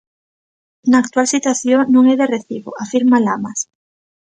Na actual situación non é de recibo, afirma Lamas.